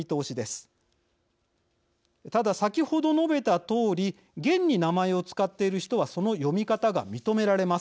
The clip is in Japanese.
ただ先ほど述べたとおり現に名前を使っている人はその読み方が認められます。